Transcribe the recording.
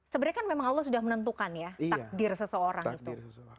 sebenarnya kan memang allah sudah menentukan ya takdir seseorang itu